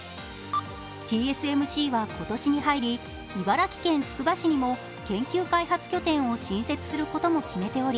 ＴＳＭＣは今年に入り、茨城県つくば市にも研究開発拠点を新設することも決めており、